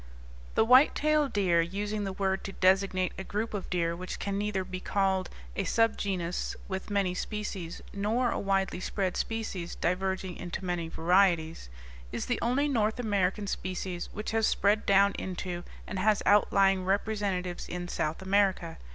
The whitetail deer using the word to designate a group of deer which can neither be called a subgenus with many species, nor a widely spread species diverging into many varieties is the only North American species which has spread down into and has outlying representatives in South America.